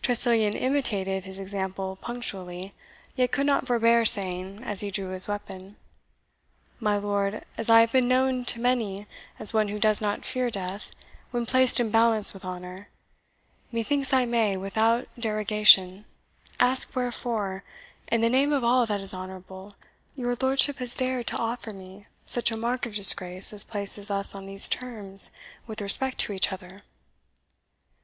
Tressilian imitated his example punctually, yet could not forbear saying, as he drew his weapon, "My lord, as I have been known to many as one who does not fear death when placed in balance with honour, methinks I may, without derogation, ask wherefore, in the name of all that is honourable, your lordship has dared to offer me such a mark of disgrace as places us on these terms with respect to each other?"